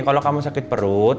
kalau kamu sakit perut